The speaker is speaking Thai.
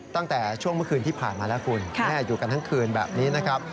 ตั้งแต่ช่วงเมื่อคืนที่ผ่านมาแล้วคุณอยู่กันทั้งคืนแบบนี้นะครับ